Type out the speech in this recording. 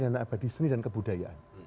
dana abadi seni dan kebudayaan